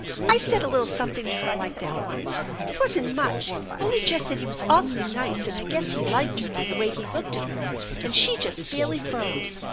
I said & little something to her like that once; it wasn't much, only just that he was awfully nice and I guessed he liked her by the way he looked at her, and she just fairly froze.